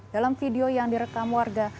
dalam video yang direkam warga